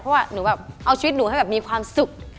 เพราะว่าหนูแบบเอาชีวิตหนูให้แบบมีความสุข